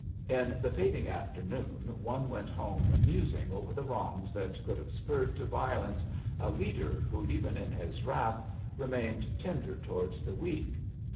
" In the feding afternoon one went home musing over the wrongs that could have spurred to violence a leader, who even in his wrath remained tender towards the weak.